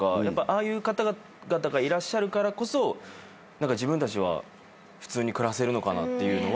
ああいう方々がいらっしゃるからこそ自分たちは普通に暮らせるのかなと思いました。